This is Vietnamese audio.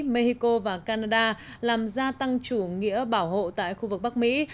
mexico và canada làm gia tăng chủ nghĩa bảo hộ tại khu vực bắc mỹ